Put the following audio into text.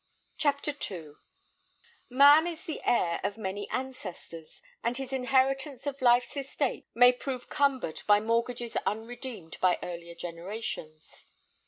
CHAPTER II Man is the heir of many ancestors, and his inheritance of life's estate may prove cumbered by mortgages unredeemed by earlier generations.